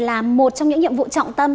là một trong những nhiệm vụ trọng tâm